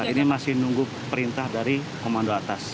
ini masih nunggu perintah dari komando atas